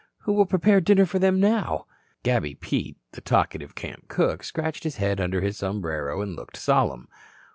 "Who will prepare dinner for them now?" Gabby Pete, the talkative camp cook, scratched his head under his sombrero, and looked solemn.